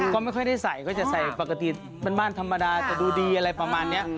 ก็ไม่ค่อยได้ใส่ก็จะใส่ปกติบ้านธรรมดาจะดูดีอะไรประมาณนี้